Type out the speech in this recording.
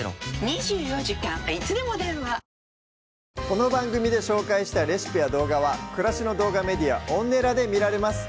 この番組で紹介したレシピや動画は暮らしの動画メディアＯｎｎｅｌａで見られます